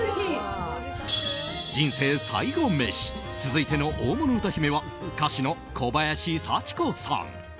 人生最後メシ続いての大物歌姫は歌手の小林幸子さん。